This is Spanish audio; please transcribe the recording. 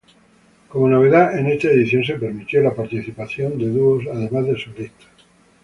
Como novedad en esta edición, se permitió la participación de dúos además de solistas.